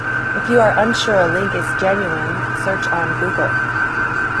If you are unsure a link is genuine, search on Google.